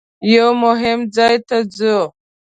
یوه مهم ځای ته ځو.